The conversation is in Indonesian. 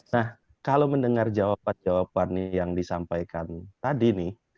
nah kalau mendengar jawaban jawaban yang disampaikan tadi nih